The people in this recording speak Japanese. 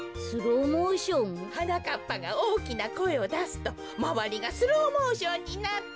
はなかっぱがおおきなこえをだすとまわりがスローモーションになって。